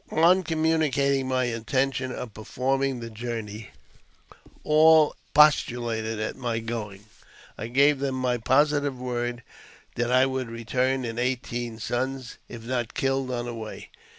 On communicating my intention of performing the journey, all expostulated at my going. I gave them my positive word that I would return in eighteen suns, if not killed on the. way.